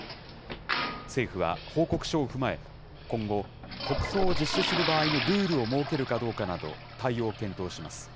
政府は報告書を踏まえ、今後、国葬を実施する場合のルールを設けるかどうかなど、対応を検討します。